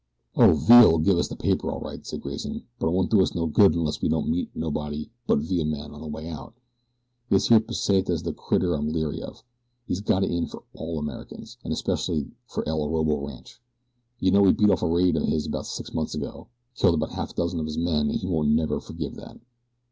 "Oh, Villa'll give us the paper all right," said Grayson; "but it won't do us no good unless we don't meet nobody but Villa's men on the way out. This here Pesita's the critter I'm leery of. He's got it in for all Americans, and especially for El Orobo Rancho. You know we beat off a raid of his about six months ago killed half a dozen of his men, an' he won't never forgive that.